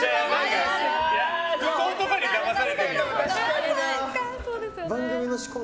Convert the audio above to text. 服装にだまされてるよ。